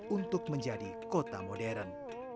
untuk menjadi kota modern